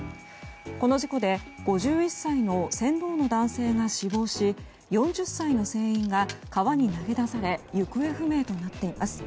この事故で５１歳の船頭の男性が死亡し４０歳の船員が川に投げ出され行方不明となっています。